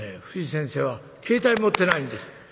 藤先生は携帯持ってないんです。